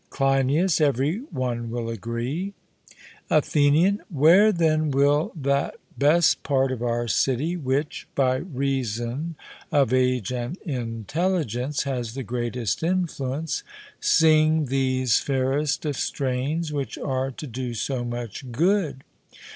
CLEINIAS: Every one will agree. ATHENIAN: Where, then, will that best part of our city which, by reason of age and intelligence, has the greatest influence, sing these fairest of strains, which are to do so much good?